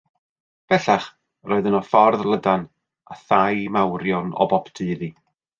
Bellach, yr oedd yno ffordd lydan, a thai mawrion o boptu iddi.